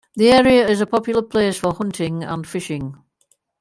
The area is a popular place for hunting and fishing.